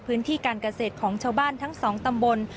พื้นที่การเกษตรของชาวบ้านทั้งสองตำบล